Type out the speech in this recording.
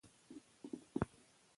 ښځه باید د کورنۍ هر غړي ته احترام وښيي.